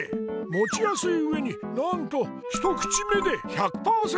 もちやすいうえになんと一口目で１００％